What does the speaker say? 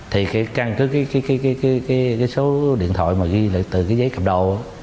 thì cái số điện thoại mà ghi lại từ giấy cầm đồ